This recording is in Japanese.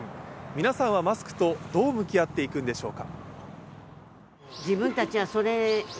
皆さんはマスクとどう向き合っていくんでしょうか。